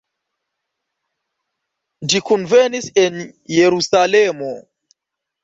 Ĝi kunvenis en Jerusalemo.